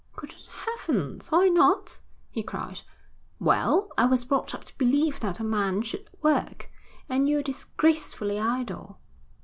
'Good heavens, why not?' he cried. 'Well, I was brought up to believe that a man should work, and you're disgracefully idle.'